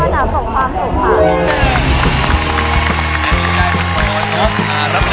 ใช่เลยค่ะ๒คะ๒ย่อมมาจากส่งความสุขค่ะ